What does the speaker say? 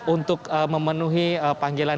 untuk memenuhi panggilan